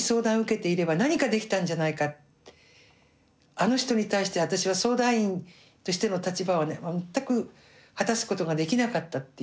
あの人に対して私は相談員としての立場をね全く果たすことができなかったっていう。